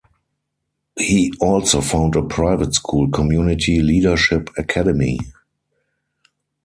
He also found a private school, Community Leadership Academy.